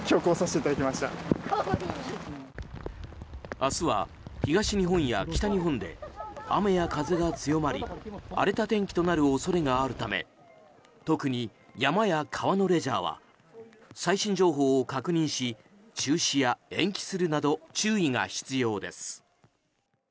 明日は東日本や北日本で雨や風が強まり荒れた天気となる恐れがあるため特に山や川のレジャーは最新情報を確認し中止や延期するなど注意が必要です。